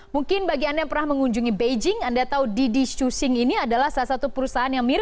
mungkin bagi anda yang pernah mengunjungi beijing anda tahu didi xu xing ini adalah salah satu perusahaan yang sangat berharga